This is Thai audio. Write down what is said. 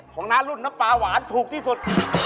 น้ารุ่นน้ำปลาหวานถูกที่สุด